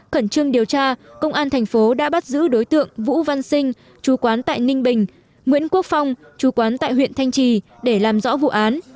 khẩn trương điều tra công an thành phố đã bắt giữ đối tượng vũ văn sinh chú quán tại ninh bình nguyễn quốc phong chú quán tại huyện thanh trì để làm rõ vụ án